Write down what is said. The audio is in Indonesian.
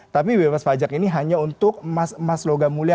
tapi bebas pajak ini hanya untuk emas emas logam mulia